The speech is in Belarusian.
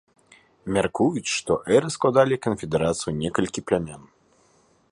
Мяркуюць, што эры складалі канфедэрацыю некалькіх плямён.